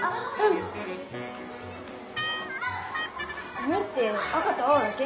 おにって赤と青だけ？